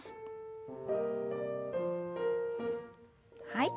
はい。